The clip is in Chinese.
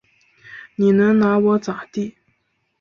你能拿我咋地？